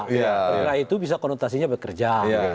pergera itu bisa konotasinya bekerja